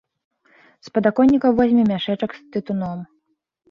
З падаконніка возьме мяшэчак з тытуном.